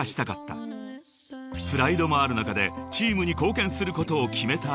［プライドもある中でチームに貢献することを決めたＵＭＩ］